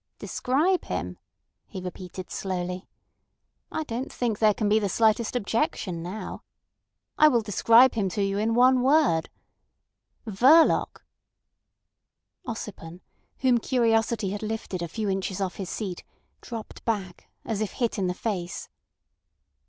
"Describe him," he repeated slowly. "I don't think there can be the slightest objection now. I will describe him to you in one word—Verloc." Ossipon, whom curiosity had lifted a few inches off his seat, dropped back, as if hit in the face.